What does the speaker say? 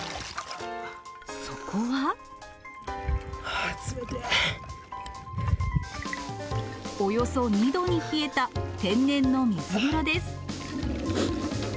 ああ、およそ２度に冷えた天然の水風呂です。